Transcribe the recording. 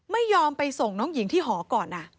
ไม่ยอมไปส่งน้องหญิงที่หอก่อน